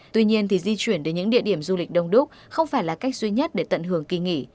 tuy nhiên di chuyển đến những địa điểm du lịch đông đúc không phải là cách duy nhất để tận hưởng kỳ nghỉ